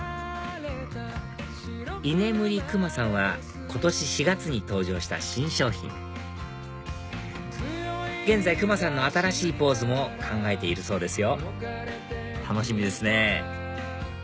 いねむりくまさんは今年４月に登場した新商品現在くまさんの新しいポーズも考えているそうですよ楽しみですね